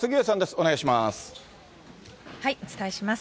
お願いします。